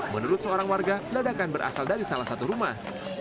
menurut seorang warga ledakan berasal dari salah satu rumah